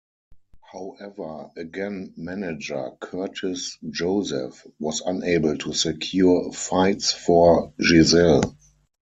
However again manager, Curtis Joseph, was unable to secure fights for Jizelle.